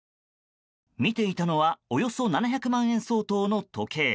見ていたのはおよそ７００万円相当の時計。